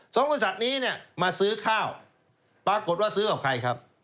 สองบริษัทนี้มาซื้อข้าวปรากฏว่าซื้อของใครครับ